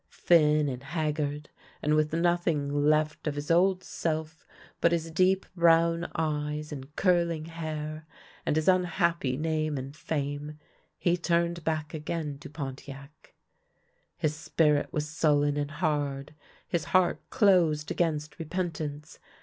Thin and haggard, and with nothing left of his old self but his deep brown eyes and curling hair, and his unhappy name and fame, he turned back again to Pontiac. His spirit was sullen and hard, his heart closed against repentance.